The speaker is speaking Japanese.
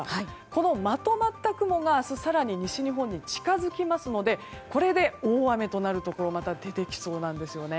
このまとまった雲が明日、更に西日本に近づきますのでこれで大雨となるところがまた出てきそうなんです。